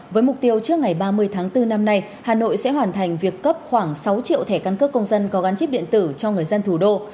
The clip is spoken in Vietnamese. với mục tiêu trước ngày ba mươi tháng bốn năm nay hà nội sẽ hoàn thành việc cấp khoảng sáu triệu thẻ căn cước công dân có gắn chip điện tử cho người dân thủ đô